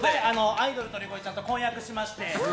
アイドル鳥越ちゃんと婚約しまして。